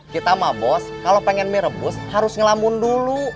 kita mah bos kalau pengen mie rebus harus ngelambun dulu